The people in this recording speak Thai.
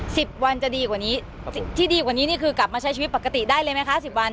สิบวันจะดีกว่านี้สิ่งที่ดีกว่านี้นี่คือกลับมาใช้ชีวิตปกติได้เลยไหมคะสิบวัน